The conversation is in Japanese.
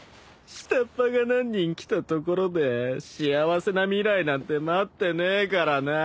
下っ端が何人来たところで幸せな未来なんて待ってねえからなぁ！